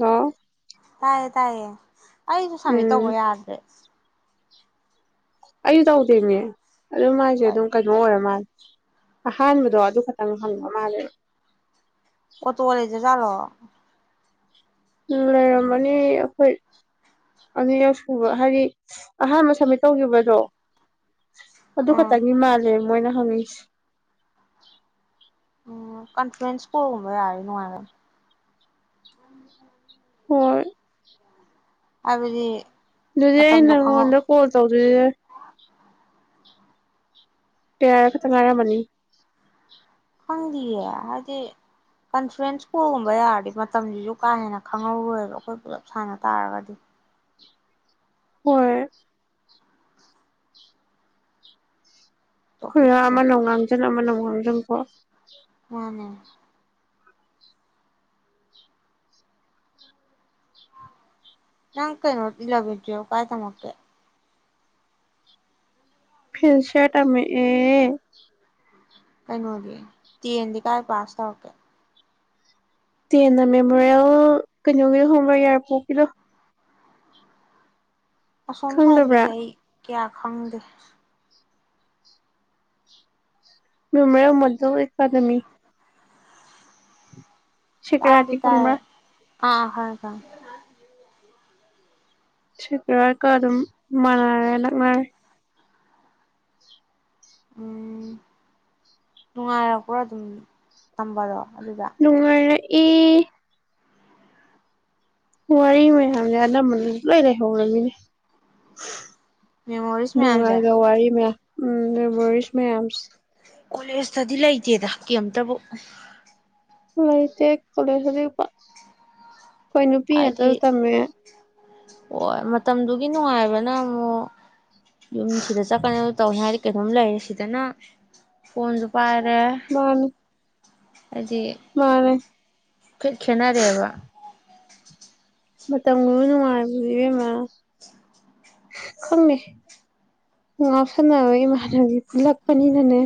Hello ꯇꯥꯏꯌꯦ ꯇꯥꯏꯌꯦ ꯑꯩꯁꯨ ꯁꯝꯃꯤꯠ ꯇꯧꯕ ꯎꯝ ꯌꯥꯗ꯭ꯔꯦ ꯑꯩꯗꯥꯎꯗꯦꯅꯦ ꯑꯗꯨ ꯃꯥꯏꯁꯦ ꯍꯣꯏ ꯑꯗꯨꯝ ꯀꯩꯅꯣ ꯑꯣꯏꯔ ꯃꯥꯜꯂꯦ ꯑꯍꯥꯟꯕꯗꯣ ꯑꯗꯨ ꯈꯛꯇꯪ ꯍꯪꯕ ꯃꯥꯜꯂꯦ ꯑꯣ ꯇꯣꯔꯦꯖ ꯖꯂꯣ ꯎ ꯂꯩꯔꯝꯃꯅꯤ ꯑꯩꯈꯣꯏ ꯑꯅꯤꯔꯛ ꯁꯨꯕ ꯍꯥꯏꯗꯤ ꯑꯍꯥꯟꯕ ꯁꯕꯃꯤꯠ ꯇꯧꯈꯤꯕꯗꯣ ꯑꯗꯨ ꯎꯝ ꯈꯛꯇꯪꯒꯤ ꯃꯥꯜꯂꯦ ꯃꯣꯏꯅ ꯐꯁ ꯎꯝ ꯀꯣꯟꯐꯔꯦꯟꯁ ꯀꯕ ꯌꯥꯔ ꯅꯅꯨꯡꯉꯥꯏꯅ ꯍ ꯑꯗꯨꯕꯗꯤ ꯑꯗꯨꯗꯤ ꯏꯟꯅ ꯔꯃꯣꯣꯟꯗ ꯀꯣꯜ ꯇꯧꯗ ꯇꯦꯔ ꯈ ꯇ ꯉꯔ ꯃꯅꯤ ꯈꯪꯗꯤꯌꯦ ꯍꯥꯏꯗꯤ ꯀꯟꯐ꯭ꯔꯦꯟꯁ ꯀꯣꯜꯒꯨꯝꯕ ꯌꯥꯔꯗꯤ ꯃꯇꯝꯁꯤꯁꯨ ꯀꯥ ꯍꯦꯟꯅ ꯈꯪꯍꯧꯔꯣꯏꯕ ꯑꯩꯈꯣꯏ ꯄꯨꯜꯂꯞ ꯁꯥꯟꯅ ꯇꯥꯔꯒꯗꯤ ꯍꯣꯏ ꯍꯈꯣꯏ ꯍ ꯇꯣꯄꯤꯛꯁꯦ ꯑꯃ ꯅꯧ ꯉꯥꯡꯖꯟ ꯑꯃ ꯅꯧ ꯃꯝꯀꯣ ꯃꯥꯅꯦ ꯅꯪ ꯀꯩꯩꯅꯣ ꯏꯂ ꯕꯤꯠꯇꯣ ꯀꯥꯏ ꯇꯃꯀꯦ ꯐꯤꯟꯁꯤꯌꯥꯇ ꯑꯃ ꯑꯦ ꯀꯩꯅꯣꯗꯤ ꯇꯦꯟꯗꯤ ꯀꯥꯏ ꯄꯥꯁ ꯇ ꯑꯣꯀꯦ ꯇꯦꯟꯅ ꯃꯦꯃꯣꯔꯤꯌꯦꯜ ꯀꯩꯅꯣꯒꯤ ꯍꯣꯝꯋꯦꯔ ꯌꯥꯌꯥꯔ ꯄꯣꯛꯀꯤꯔꯣ ꯑꯁꯣꯝ ꯈꯪꯗꯕ꯭ꯔꯥ ꯁꯥꯏꯠꯀꯤꯖꯥꯏ ꯀꯌꯥ ꯈꯪꯗꯦ ꯃꯤ ꯃꯔ ꯃꯗꯨ ꯑꯦꯀꯥꯗꯃꯤ ꯁꯤꯀ ꯇꯥꯗꯤ ꯔꯥꯇ ꯇꯥꯏ ꯐꯪ ꯑꯥ ꯍꯣꯏ ꯀ ꯁꯦꯀꯔꯀ ꯑꯗꯨꯝ ꯃꯥꯟꯅꯔꯦ ꯅꯛꯅꯔꯦ ꯎꯝ ꯅꯨꯡꯉꯥꯏꯔ ꯄꯨꯔꯥ ꯑꯗꯨꯝ ꯇꯝꯕꯗꯣ ꯑꯗꯨꯗ ꯅꯅꯨꯡꯉꯥꯏꯔꯦ ꯑꯦ ꯋꯥꯔꯤ ꯃꯌꯥꯝꯁꯦ ꯑꯅꯝꯕꯅꯁꯨ ꯂꯣꯏ ꯂꯩꯍꯧꯔꯃꯤꯅꯦ ꯃꯦꯃꯣꯔꯤꯁ ꯃꯌꯥꯝꯁꯦ ꯅꯨꯡꯉꯥꯏꯔ ꯋꯥꯔꯤ ꯃ ꯎꯝ ꯅ ꯋꯥꯔꯤꯔꯤꯁ ꯃꯌꯥꯝꯝꯁ ꯀꯣꯂꯦꯖꯇꯗꯤ ꯂꯩꯇꯦꯗ ꯀꯔꯤꯝꯇꯕꯨ ꯂꯩꯥꯏ ꯇ ꯀꯔ ꯍꯥꯏꯗꯤ ꯑꯩꯈꯣꯏ ꯅꯨꯄꯤ ꯉꯥꯛꯛꯇꯁꯨ ꯇꯝꯃꯦ ꯍ ꯃꯇꯝꯗꯨꯒꯤ ꯅꯨꯡꯉꯥꯏꯕꯅ ꯑꯃꯨꯛ ꯌꯨꯝ ꯁꯤꯗ ꯆꯠꯀꯅꯤ ꯇꯧꯋꯤ ꯍꯥꯏ ꯀꯩꯅꯣꯝ ꯂꯩꯔꯦ ꯁꯤꯗꯅ ꯐꯣꯟꯁꯨ ꯄꯥꯏꯔ ꯑꯔ ꯃꯥꯅꯤ ꯍꯥꯏꯗꯤꯠ ꯃꯥꯅꯦ ꯈꯦꯠꯅꯔꯦꯕ ꯃꯇꯝꯒꯤ ꯅꯨꯡꯉꯥꯏꯕꯗꯨꯕꯦꯝꯃ ꯈꯪꯅꯦ ꯉꯥꯎꯁꯟꯅꯕ ꯏꯃꯥꯟꯅꯕꯤ ꯄꯨꯜꯂꯛꯄꯅꯤꯅꯅꯦ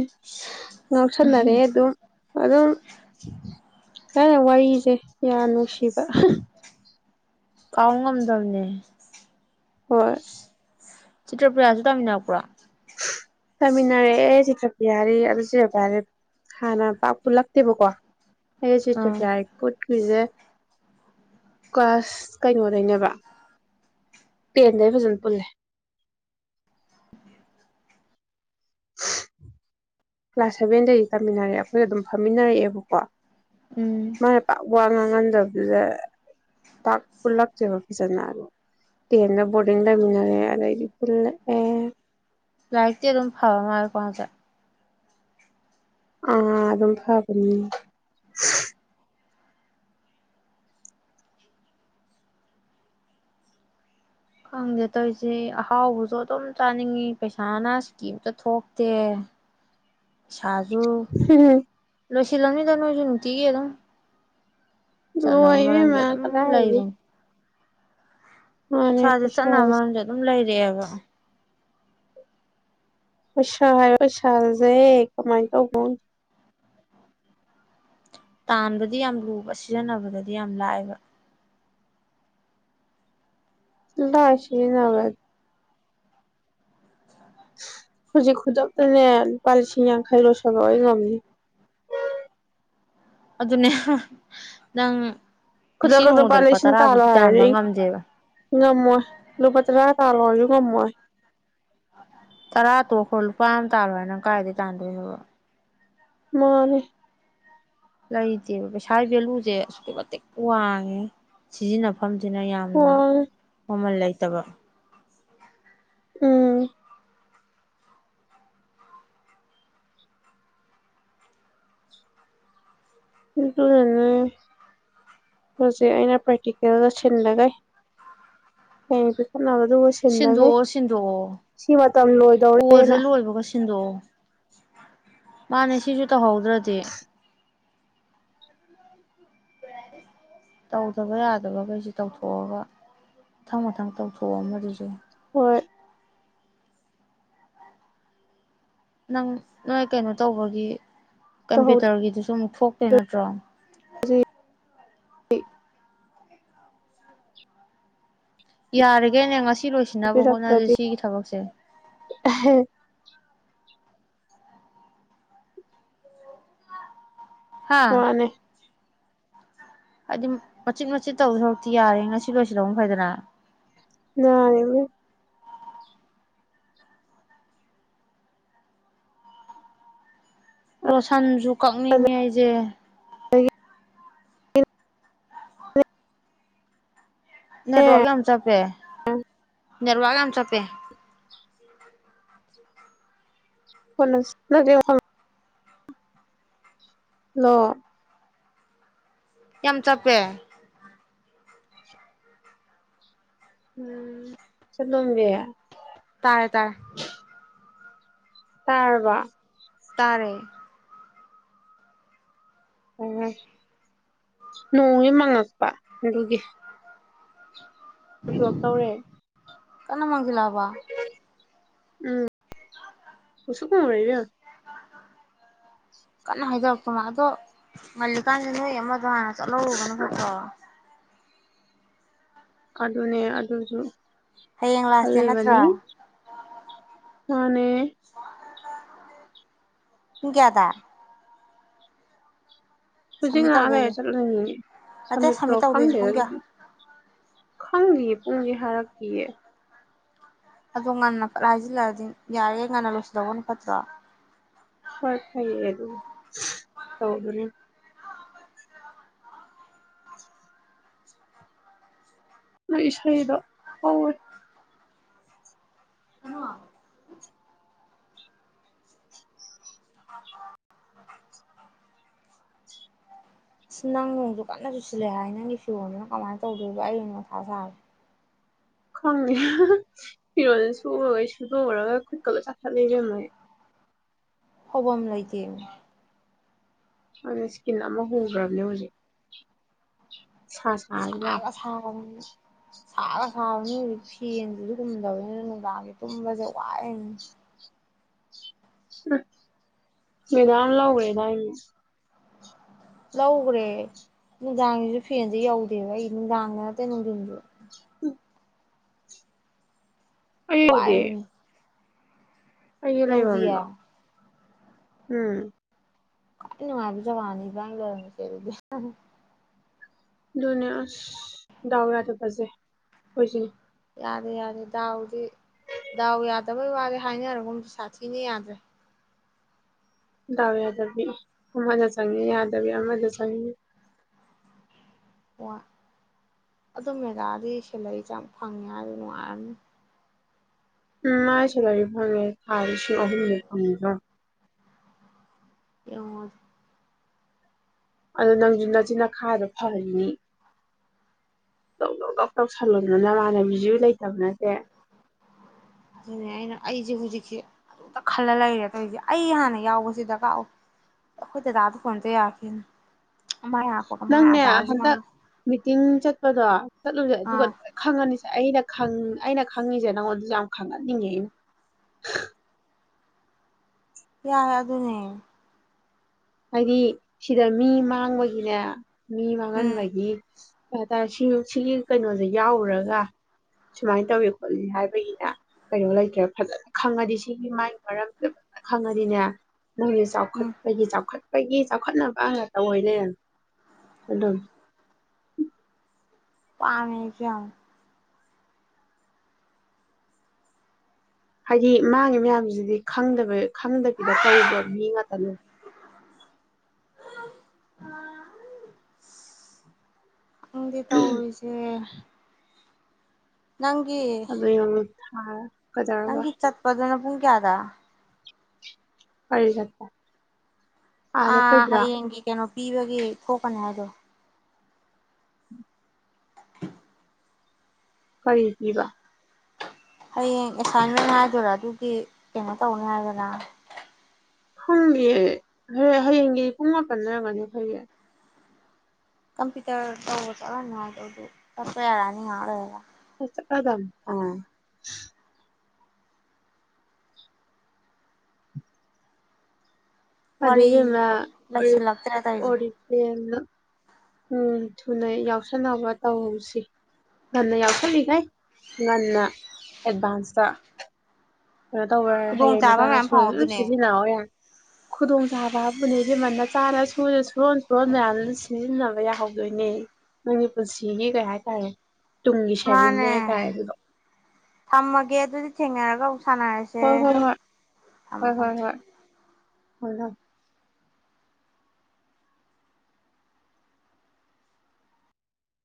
ꯉꯥꯎꯁꯟꯅꯔꯛꯑꯦ ꯑꯗꯨꯝ ꯑꯗꯨꯝ ꯁꯥꯏꯅ ꯋꯥꯔꯤꯁꯦ ꯌꯥꯝ ꯅꯨꯡꯁꯤꯕ ꯀꯥꯎ ꯉꯝꯗꯕꯅꯦ ꯍꯣꯏ ꯆꯤꯇ꯭ꯔ ꯄ꯭ꯔꯌꯥꯁꯨ ꯇꯃꯤꯅ ꯄꯨꯔꯥ ꯆꯥꯃꯤꯟꯅꯔꯦ ꯆꯤꯇ꯭ꯔꯄꯤ ꯍꯥꯏꯔꯤ ꯑꯗꯨ ꯆꯄ ꯍꯥꯏꯔꯦ ꯍꯥꯟꯅ ꯄ ꯄꯨꯜꯂꯛꯇꯦꯕꯀꯣ ꯑꯦ ꯆ ꯐꯨꯠ ꯑꯥ ꯑꯩꯈꯣꯏꯁꯦ ꯀ꯭ꯂꯥꯁ ꯀꯩꯅꯣꯗꯅꯦꯕ ꯄꯤꯗ ꯐꯖꯅ ꯄꯨꯂꯦ [unintelligible] ꯀ꯭ꯂꯥꯁ ꯁꯚꯦꯟꯗꯩꯗꯤ ꯇꯝꯃꯤꯟꯅꯔꯛꯑꯦ ꯑꯩꯈꯣꯏꯒ ꯑꯗꯨꯝ ꯐꯝꯃꯤꯟꯅꯔꯛꯑꯦꯕꯀꯣ ꯎꯝ ꯃꯥꯅ ꯄꯥꯛ ꯋꯥ ꯉꯥꯡ ꯉꯟꯗꯕꯗꯨꯗ ꯄꯥꯛ ꯄꯨꯜꯂꯛꯇꯦꯕ ꯐꯖꯅ ꯑ ꯇꯦꯟꯗ ꯕꯣꯔꯗꯤꯡ ꯂꯩꯃꯤꯟꯅꯔꯦ ꯑꯗꯩꯗꯤ ꯄꯨꯜꯂꯛꯑꯦ ꯂꯥꯏꯠꯗꯤ ꯑꯗꯨꯝ ꯐꯥꯎ ꯃꯥꯔꯀꯣ ꯆꯦ ꯑ ꯑꯗꯨ ꯐꯥꯕꯅꯤ ꯈꯪꯗꯦ ꯇꯧꯔꯤꯁꯦ ꯑꯍꯥꯎꯕꯁꯨ ꯑꯗꯨꯝ ꯆꯥꯅꯤꯡꯉꯤ ꯄꯩꯁꯥꯅ ꯏꯁꯀꯤꯝꯇ ꯊꯣꯛꯇꯦ ꯏꯁꯩꯥꯁꯦ ꯂ ꯆꯂꯂꯝꯅꯤ ꯇꯅꯣ ꯆꯟꯇ ꯑꯦ ꯑꯗꯨꯣ ꯂꯅꯦ ꯃ ꯀꯗꯥꯗꯤ ꯁꯥꯁꯦ ꯆꯠꯅꯕ ꯃꯔꯝꯗꯦ ꯑꯗꯨꯝ ꯂꯩꯔꯛꯑꯦꯕ ꯁꯍꯣ ꯁꯜꯖꯦ ꯀꯃꯥꯏ ꯇꯣ ꯀꯣꯟ ꯇꯥꯟꯕꯗꯤ ꯌꯥꯝ ꯂꯨꯕ ꯁꯤꯖꯤꯟꯅꯕꯗꯗꯤ ꯌꯥꯝ ꯂꯥꯛꯑꯦꯕ ꯁ ꯅꯋꯥꯗ ꯍꯧꯖꯤ ꯈꯨꯣꯗ ꯄꯂꯤꯁꯤ ꯈꯥꯏ ꯂꯣ ꯁꯒ ꯉꯝꯅꯤ ꯑꯗꯨꯅꯦ ꯅꯪ ꯈꯨꯗ ꯉꯁꯤ ꯀꯗꯣ ꯅꯣꯡꯃꯗ ꯂꯨꯄꯥ ꯄꯂꯁꯤꯟ ꯇꯥꯂ ꯇꯔꯥꯕꯨꯛꯇꯤ ꯍꯥꯏ ꯇꯥꯟꯕ ꯉꯝꯗꯦꯕ ꯉꯝꯃꯣ ꯂꯄꯇ ꯔ ꯇꯥ ꯑꯣꯏꯁꯨ ꯀꯝꯣꯏ ꯇꯔꯥ ꯇꯣꯈꯣꯏ ꯂꯨꯄꯥ ꯑꯃ ꯇꯥꯜꯂꯣ ꯍꯥꯏꯅꯪ ꯀꯥꯏꯗꯒꯤ ꯇꯥꯟꯗꯣꯏꯅꯣꯕ ꯃꯥ ꯂꯩꯇꯦꯕ ꯄꯩꯁꯥꯒꯤ ꯚꯦꯂꯨꯁꯦ ꯑꯁꯨꯛꯀꯤ ꯃꯇꯤꯛ ꯋꯥꯡꯉꯦ ꯁꯤꯖꯤꯟꯅꯕ ꯃꯐꯝꯁꯤꯅ ꯌꯥꯝꯅ ꯋꯥꯔꯦ ꯃꯃꯜ ꯂꯩ ꯐꯠꯇꯕ ꯎꯝ ꯀꯅ ꯍꯧꯖꯤꯦ ꯑꯩꯅ ꯄ꯭ꯔꯦꯇꯤꯀꯦꯜꯒ ꯁꯤꯟꯂꯒꯦ ꯑ ꯆꯛꯅꯕꯗꯨꯕꯨ ꯁꯤꯟꯂꯒꯦ ꯁꯤꯟꯗꯣꯛꯑꯣ ꯁꯤꯟꯗꯣꯛꯑꯣ ꯁꯤ ꯃꯇꯝ ꯀꯣꯜꯁꯦ ꯂꯣꯏꯗꯧꯔꯦꯅ ꯂꯣꯏꯕꯒ ꯁꯤꯟꯗꯣꯛꯑꯣ ꯃꯥꯅꯦ ꯁꯤꯁꯨ ꯇꯧꯍꯧꯗ꯭ꯔꯗꯤ ꯇꯧꯗꯕ ꯌꯥꯗꯕꯈꯩꯁꯤꯦ ꯇꯧꯊꯣꯛꯑꯒ ꯃꯊꯪ ꯃꯊꯪ ꯇꯧꯊꯣꯛꯑ ꯃꯗꯨꯁꯨ ꯍꯣꯏ ꯅꯪ ꯅꯣꯏ ꯀꯩꯅꯣ ꯇꯧꯕꯒꯤ ꯀꯝꯄ꯭ꯌꯨꯇꯔꯒꯤꯗꯨꯁꯨ ꯑꯃꯨꯛ ꯐꯣꯛ ꯇꯧꯍꯧꯗ꯭ꯔꯗꯤ ꯇꯩꯅꯣꯠꯇ꯭ꯔꯣ [unintelligible] [unintelligible] ꯌꯥꯔꯒꯦ ꯌꯦꯉ ꯁꯤ ꯂꯣꯏꯁꯤꯟꯅꯕ ꯍꯣꯠꯅꯁꯦ ꯄꯤꯕꯤꯔꯛꯇ꯭ꯔꯗꯤ ꯁꯤꯒꯤ ꯊꯕꯛꯁꯦ ꯍꯥ ꯋꯥꯅꯦ ꯍꯥꯏꯗꯤ ꯃꯆꯤꯠ ꯃꯆꯤꯠ ꯇꯧꯗꯧ ꯁꯥꯔꯨꯛꯇꯤ ꯌꯥꯔꯦ ꯉꯁꯤ ꯂꯣꯏꯁꯤꯜꯍꯧ ꯐꯩꯗꯅ ꯅꯦ [unintelligible] ꯂꯣꯁꯥꯟꯖꯨꯛ ꯀꯛꯅꯤꯡꯉꯦ ꯑꯩꯖꯦ [unintelligible] ꯅꯦꯠꯋꯔꯛ ꯌꯥꯝ ꯆꯄꯦ ꯅꯦꯠꯋꯔꯛ ꯌꯥꯝ ꯆꯄꯦ ꯎ [inaudible] [unintelligible] ꯌꯥꯝ ꯆꯞꯄꯦ ꯎꯝ ꯆꯟꯇꯣꯝꯕꯤ ꯇꯥꯔꯦ ꯇꯥꯔꯦ ꯇꯥꯔꯔꯕ ꯇꯥꯔꯦ ꯑꯣ ꯅꯣꯡꯉꯤ ꯃꯉꯛꯄ ꯑꯗꯨꯒꯤ [unintelligible] ꯇꯧꯔꯦ ꯀꯟꯅꯃꯪ ꯖꯤꯜꯂꯛꯑꯕ ꯎꯝ ꯃꯨꯁꯨꯛ ꯃꯨꯔꯦ ꯏꯕꯦꯃꯃꯥ ꯀꯟꯅ ꯍꯥꯏꯗꯣꯔꯛꯇꯣ ꯃꯜꯂꯦ ꯑꯗꯣ ꯉꯥꯜꯂꯤꯀꯥꯟ ꯅꯣꯏ ꯑꯃꯗꯣ ꯍꯥꯟꯅ ꯆꯂꯎꯔꯨꯕꯅꯥ ꯐꯇꯔꯣ ꯑꯗꯨꯅꯦ ꯑꯗꯨꯁꯨ ꯍꯌꯦꯡ ꯂꯥꯁ ꯗꯦꯠ ꯅꯠꯇ꯭ꯔ ꯈꯜꯂꯤꯕꯅꯤ ꯃꯅꯦ ꯄꯨꯡ ꯀꯌꯥꯗꯥ ꯍꯨꯖꯤꯛ ꯁꯝꯃꯤꯠ ꯉꯍꯥꯛ ꯇꯧꯗꯣꯏꯁꯦ ꯂꯩꯔꯥ ꯆꯠꯂꯥꯅꯤꯌꯦ ꯅꯠꯇꯦ ꯁꯃꯤꯠ ꯂꯣ ꯁꯝꯃꯤꯠ ꯇꯧꯗꯣꯏꯁꯦ ꯈꯪꯗꯦꯗꯥ ꯄꯨꯡ ꯀꯌꯥ ꯗꯨꯗꯤ ꯈꯪꯗꯤꯌꯦ ꯄꯨꯡꯗꯤ ꯍꯥꯏꯔꯛꯇꯤꯌꯦ ꯑꯗꯣ ꯉꯟꯅ ꯐꯠ ꯍꯥꯏꯁꯤꯜꯂꯛꯑꯗꯤ ꯌꯥꯔꯤꯒꯩ ꯉꯟꯅ ꯂꯣꯏꯁꯤꯟꯍꯧꯕꯅ ꯐꯠꯇ꯭ꯔꯣ ꯍꯣꯏ ꯐꯩꯌꯦ ꯑꯗꯨ ꯇꯧꯗꯨꯅꯤ ꯅꯣꯏ ꯏꯁꯩꯗꯣ ꯍꯧꯋꯦ ꯑꯁ ꯑꯁ ꯅꯪ ꯅꯣꯡꯖꯨ ꯀꯟꯅ ꯆꯨꯁꯤꯜꯂꯦ ꯍꯥꯏ ꯅꯪꯒꯤ ꯐꯤꯔꯣꯟꯗꯨꯅ ꯀꯃꯥꯏꯅ ꯇꯧꯗꯣꯏꯕ ꯑꯩꯅ ꯃꯊꯥ ꯁꯥꯔꯦ ꯈꯣꯡꯗꯦ ꯐꯤꯔꯣꯟꯖꯦ ꯁꯨꯕꯒꯩ ꯁꯨꯗꯣꯛꯎꯔꯒ ꯈꯨꯠꯀꯂ ꯆꯥꯊꯠꯂꯦ ꯏꯕꯦꯝꯃ ꯑꯩ ꯐꯧꯕꯥꯝ ꯂꯩꯇꯦ ꯑꯣꯁꯤ ꯀꯅꯥ ꯃꯍꯨꯔ ꯔꯅꯦ ꯍꯧꯖꯤꯦ ꯁꯥ ꯁꯥꯖꯨ ꯂꯎꯏ ꯁꯥꯒꯥ ꯁꯥꯕꯅꯤ ꯍꯧꯖꯤꯛ ꯐꯦꯟꯁꯤꯁꯨ ꯍꯨꯝꯗꯕꯅꯤꯅ ꯅꯨꯡꯗꯥꯡꯖꯦ ꯇꯨꯝꯕꯁꯦ ꯋꯥꯏꯅꯤ ꯃꯦꯗꯝ ꯂꯧꯒꯔꯦꯗꯥꯏꯅꯦ ꯂꯧꯒꯔꯦ ꯅꯨꯡꯗꯥꯡꯖꯤꯁꯨ ꯐꯦꯟꯖꯦ ꯌꯧꯗꯦꯕ ꯑꯩ ꯅꯨꯡꯗꯥꯡꯗ ꯅꯠꯇꯦ ꯅꯨꯡꯊꯤꯟꯁꯨ ꯎꯝ ꯑꯩ ꯋꯥꯏꯅꯤ ꯀꯩ ꯂꯩ ꯌꯧꯗꯤꯌꯦ ꯋꯥꯗꯣ ꯎꯝ ꯀ ꯅꯨꯅꯨꯡꯉꯥꯏꯕ ꯆ ꯋꯥꯅꯤ ꯂꯔ ꯁꯔꯗꯤ ꯅꯦ ꯗꯥꯎꯔ ꯑꯗꯨꯕꯖꯦ ꯍꯣꯏꯁꯤ ꯌꯥꯔꯦ ꯌꯥꯔꯦ ꯗꯥꯎꯗꯤ ꯗꯥꯎ ꯌꯥꯗꯕꯩ ꯋꯥꯔꯦ ꯍꯥꯏꯅꯔꯒꯗꯤ ꯁꯥꯊꯤꯅ ꯌꯥꯗ꯭ꯔꯦ ꯗꯥꯎ ꯌꯥꯗꯕꯤ ꯃꯅ ꯆꯪꯉꯦ ꯌꯥꯗꯕꯤ ꯃꯗ ꯆꯪꯉꯉꯦ ꯍꯣꯏ ꯑꯗꯨ ꯃꯦꯒꯥꯗꯤ ꯁꯦꯂꯔꯤꯁꯦ ꯌꯥꯝ ꯐꯪꯉꯦ ꯍꯥꯏꯗꯤ ꯅꯨꯡꯉꯥꯏꯔꯅꯤ ꯎꯝ ꯃꯥꯏꯁꯦꯂꯥꯏꯔꯤ ꯐꯪꯉꯦ ꯊꯥ ꯂꯤꯁꯤꯡ ꯑꯍꯨꯝꯗꯤ ꯐꯪꯉꯕ꯭ꯔꯥ ꯑꯉ ꯑꯗꯣ ꯅꯪꯁꯨ ꯅꯆꯤꯟꯅꯈꯥꯗꯣ ꯐꯔꯅꯤꯅꯤ ꯇꯧ ꯗꯧ ꯇꯧ ꯇꯧꯁꯜꯂꯣꯗ ꯅꯃꯥꯟꯅꯕꯤꯁꯨꯁꯨ ꯂꯩꯇꯕ ꯅꯠꯇꯦ ꯑꯗꯨꯅꯦ ꯑꯩꯅ ꯑꯩꯁꯦ ꯍꯧꯖꯤꯛꯁꯦ ꯑꯃꯇ ꯈꯜꯂ ꯂꯩꯔꯦ ꯇꯧꯔꯤꯁꯦ ꯑꯩ ꯍꯥꯟꯅ ꯌꯥꯎꯕꯁꯤ ꯗꯔꯀꯥꯔ ꯑꯣꯏ ꯑꯩꯈꯣꯏ ꯗꯗꯥꯗ ꯐꯣꯟꯗ ꯌꯥꯈꯤꯦꯅ ꯅꯪꯅꯦ ꯍꯟꯗꯛ ꯃꯤꯇꯤꯡ ꯆꯠꯄꯗꯣ ꯆꯠꯂꯨꯁꯦ ꯑꯗꯨꯒ ꯑꯥ ꯂꯣꯏ ꯈꯪꯉꯅꯤꯁꯦ ꯑꯩꯅ ꯑꯩꯅ ꯈꯪꯉꯤꯁꯦ ꯅꯉꯣꯟꯗ ꯌꯥꯝ ꯈꯪꯍꯟꯅꯤꯡꯉꯦ ꯑꯩꯅ ꯌꯥꯏ ꯑꯗꯨ ꯑꯗꯨꯅꯦ ꯍꯥꯏꯗꯤ ꯁꯤꯗ ꯃꯤ ꯃꯥꯡꯕꯒꯤꯅꯦ ꯃꯤ ꯎꯝ ꯃꯉꯟꯕꯒꯤ ꯇꯔꯦ ꯁꯤ ꯁꯤꯒꯤ ꯀꯩꯅꯣꯁꯦ ꯌꯥꯎꯔꯨꯔꯒ ꯁꯨꯃꯥꯏꯅ ꯇꯧꯏ ꯈꯣꯠꯂꯤ ꯍꯥꯏꯕꯒꯤꯅꯦ ꯀꯩꯅꯣ ꯂꯩꯇ꯭ꯔꯦ ꯐꯖꯅ ꯈꯪꯉꯗꯤ ꯁꯤꯒꯤ ꯃꯥꯒꯤ ꯃꯔꯝꯗ ꯐꯖꯅ ꯈꯪꯉꯗꯤꯅꯦ ꯅꯪꯒꯤ ꯆꯥꯎꯈꯠ ꯎꯝ ꯑꯩꯒꯤ ꯆꯥꯎꯈꯠ ꯒꯤ ꯆꯥꯎꯈꯠꯅꯕ ꯑ ꯇꯧꯑꯣꯅꯦ ꯑꯗꯨꯝ ꯄꯅꯦ ꯆ ꯍꯥꯏꯗꯤ ꯃꯥꯉꯤ ꯃꯌꯥꯝꯁꯤꯗꯤ ꯈꯪꯗꯕ ꯈꯪꯗꯕꯤꯗ ꯇꯧꯕ ꯃꯤ ꯉꯥꯛꯇꯅꯦ ꯑ ꯎꯗꯤ ꯇꯣꯏꯁꯦ ꯅꯪꯒꯤ ꯍꯥꯥ ꯅꯪꯒꯤꯤ ꯆꯠꯄ ꯑꯗꯨꯅ ꯄꯨꯡ ꯀꯌꯥꯗ ꯍ ꯆ ꯑ ꯍ ꯌꯦꯡꯤ ꯀꯦꯅꯣ ꯄꯤꯕꯒꯤ ꯊꯣꯛꯀꯅꯦ ꯑꯗꯣ ꯐꯔꯤꯒꯤꯕ ꯍꯌꯦꯡ ꯑꯦꯁꯥꯏꯟꯃꯦꯟ ꯉꯥꯏꯗꯣꯏꯔꯥ ꯑꯗꯨꯒꯤ ꯀꯩꯅꯣ ꯇꯧꯅꯤ ꯍꯥꯏꯗꯅ ꯁꯨꯡꯒꯤ ꯍꯌꯦꯡꯒꯤ ꯄꯨꯡ ꯃꯥꯄꯟ ꯅꯔꯒꯅꯤ ꯐꯩꯌꯦ ꯀꯝꯄ꯭ꯌꯨꯇꯔ ꯇꯧꯕ ꯆꯠꯂ ꯅꯨꯡꯉꯥꯏ ꯇ ꯇ ꯌꯥꯔꯅꯤꯉꯔꯣꯏꯔꯥ ꯗꯥꯝ ꯑꯥ ꯑꯗ ꯋꯥꯔꯤꯁꯨ ꯂꯩꯁꯤꯜꯂꯛꯇ꯭ꯔꯦ ꯇꯧꯔꯤꯁꯦ ꯑꯣꯦꯅ ꯎꯝ ꯊꯨꯅ ꯌꯥꯎꯁꯟꯅꯕ ꯇꯧꯁꯤ ꯉꯟꯅ ꯌꯥꯎꯁꯜꯂꯤꯈꯩ ꯉꯟꯅ ꯑꯦꯗꯚꯥꯟꯁꯇ ꯀꯩꯅꯣ ꯇꯧꯕ ꯌꯥꯔ ꯍꯌꯦꯡ ꯈꯨꯗꯣꯡꯆꯥꯥꯕ ꯃꯌꯥꯝ ꯃꯆꯥꯅꯁꯨ ꯑꯗꯨꯝ ꯐꯪꯍꯧꯗꯣꯏꯅꯦ ꯁꯤꯖꯤꯟꯅꯧ ꯌꯥꯔꯦ ꯈꯨꯗꯣꯡ ꯆꯥꯕꯕꯨꯅꯦ ꯏꯕꯃꯟꯅ ꯅꯆꯥ ꯅꯁꯨꯗꯁꯨ꯫ ꯁꯨꯑꯣꯟ ꯁꯨꯑꯣꯟ ꯃꯌꯥꯝꯗꯨꯅ ꯁꯤꯖꯤꯟꯅꯕ ꯌꯥ ꯍꯧꯗꯣꯏꯅꯦ ꯅꯪꯒꯤ ꯄꯨꯟꯁꯤꯒꯤ ꯀꯩ ꯍꯥꯏꯇꯥꯔꯦ꯫ ꯇꯨꯡꯒꯤ ꯁꯦꯚꯤꯡꯅꯦ ꯃꯥꯅꯦ ꯍꯥꯏꯇꯥꯔꯦ ꯑꯗꯨꯗꯣ ꯊꯃꯒꯦ ꯑꯗꯨꯗꯤ ꯊꯦꯡꯉꯔ [unintelligible] ꯍꯣꯏ ꯍꯣ ꯍꯣꯏ ꯍꯣꯏ ꯊꯝꯃꯣ ꯍꯣꯏ ꯍꯣꯏ꯫ ꯍꯂꯣ꯫